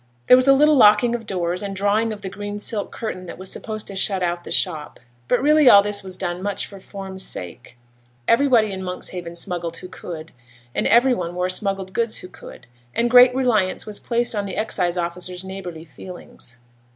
There was a little locking of doors, and drawing of the green silk curtain that was supposed to shut out the shop, but really all this was done very much for form's sake. Everybody in Monkshaven smuggled who could, and every one wore smuggled goods who could, and great reliance was placed on the excise officer's neighbourly feelings.